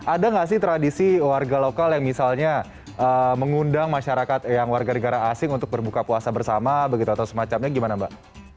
ada nggak sih tradisi warga lokal yang misalnya mengundang masyarakat yang warga negara asing untuk berbuka puasa bersama begitu atau semacamnya gimana mbak